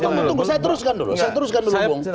tunggu saya teruskan dulu